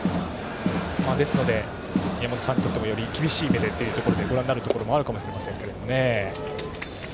ですので、宮本さんもより厳しい目でということでご覧になるところもあると思いますが。